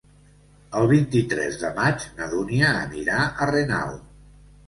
El vint-i-tres de maig na Dúnia anirà a Renau.